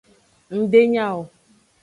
Ng de nya o.